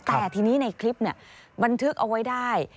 แต่ทีนี้ในคลิปบันทึกเอาไว้ได้